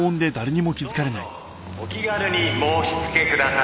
「どうぞお気軽に申し付けください」